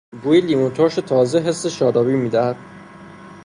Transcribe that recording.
بوی لیمو ترش تازه حس شادابی میدهد.